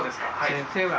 先生は。